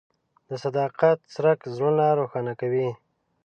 د صداقت څرک زړونه روښانه کوي.